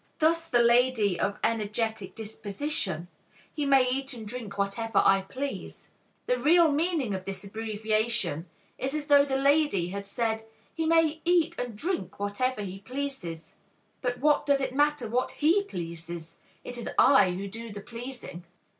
Thus the lady of energetic disposition, "He may eat and drink whatever I please." The real meaning of this abbreviation is as though the lady had said, "He may eat and drink whatever he pleases. But what does it matter what he pleases! It is I who do the pleasing."